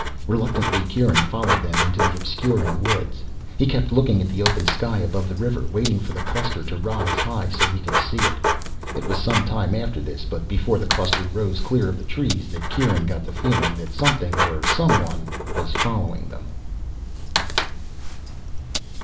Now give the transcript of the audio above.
Reluctantly Kieran followed them into the obscuring woods. He kept looking at the open sky above the river, waiting for the cluster to rise high so he could see it. It was some time after this, but before the cluster rose clear of the trees, that Kieran got the feeling that something, or someone, was following them.